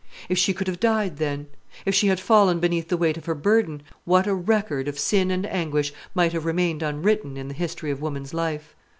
If she could have died then, if she had fallen beneath the weight of her burden, what a record of sin and anguish might have remained unwritten in the history of woman's life!